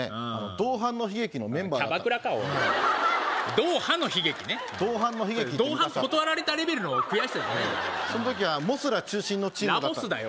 「同伴の悲劇」のメンバーだったキャバクラかおいドーハの悲劇ね「同伴の悲劇」って昔あったの同伴断られたレベルの悔しさじゃないからその時はモスラ中心のチームだったラモスだよ